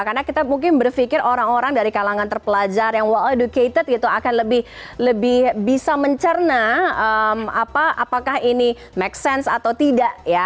karena kita mungkin berpikir orang orang dari kalangan terpelajar yang well educated akan lebih bisa mencerna apakah ini make sense atau tidak